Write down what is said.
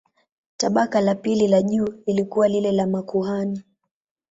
Tabaka la pili la juu lilikuwa lile la makuhani.